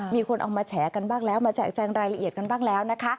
มีคนเอามาแฉกรายละเอียดกันบ้างแล้วนะคะ